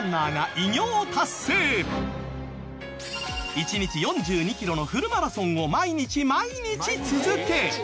１日４２キロのフルマラソンを毎日毎日続け。